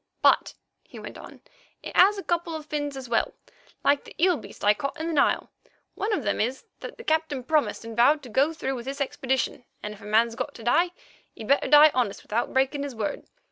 "But," he went on, "it has a couple of fins as well, like that eel beast I caught in the Nile. One of them is that the Captain promised and vowed to go through with this expedition, and if a man's got to die, he'd better die honest without breaking his word.